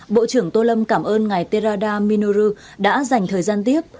bộ trưởng tô lâm cảm ơn ngài terada minoru đã dành thời gian tiếp